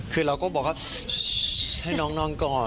คือเราก็บอกว่าให้น้องนอนก่อน